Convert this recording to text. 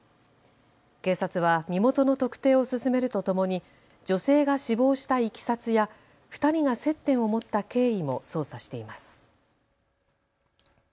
警察は身元の特定を進めるとともに女性が死亡したいきさつや２人が接点を持った経緯も捜査しています。